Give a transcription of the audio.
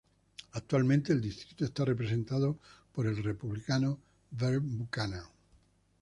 Actualmente el distrito está representado por el Republicano Vern Buchanan.